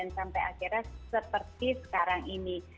sampai akhirnya seperti sekarang ini